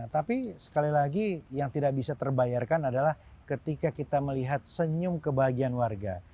tapi sekali lagi yang tidak bisa terbayarkan adalah ketika kita melihat senyum kebahagiaan warga